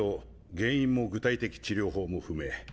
原因も具体的治療法も不明。